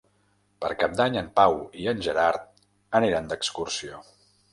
Per Cap d'Any en Pau i en Gerard aniran d'excursió.